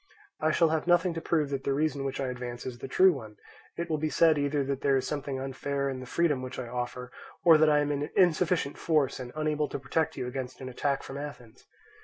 I shall have nothing to prove that the reason which I advance is the true one; it will be said either that there is something unfair in the freedom which I offer, or that I am in insufficient force and unable to protect you against an attack from Athens.